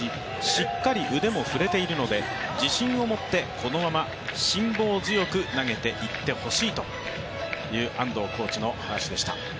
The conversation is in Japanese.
しっかり腕も振れているので自信をもってこのまま辛抱強く投げていってほしいという安藤コーチの話でした。